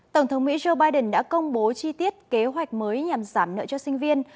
tổng thống mỹ joe biden đã công bố chi tiết kế hoạch mới nhằm giảm nợ cho sinh viên